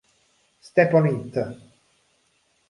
Step on It!